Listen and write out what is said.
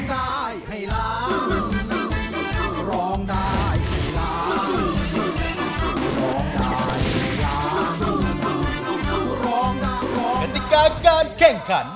กฎิกาการแข่งขัน